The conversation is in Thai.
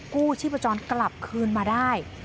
กู้ชีพจรกลับคืนมาได้